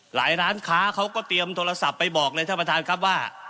ร้านค้าเขาก็เตรียมโทรศัพท์ไปบอกเลยท่านประธานครับว่า